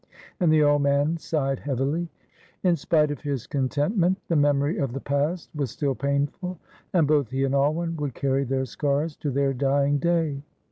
And the old man sighed heavily. In spite of his contentment the memory of the past was still painful, and both he and Alwyn would carry their scars to their dying day.